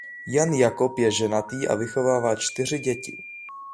Jan Jakob je ženatý a vychovává čtyři děti.